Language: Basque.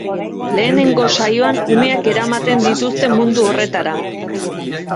Lehenengo saioan umeak eramaten dituzte mundu horretara.